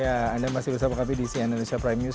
ya anda masih bersama kami di cnn indonesia prime news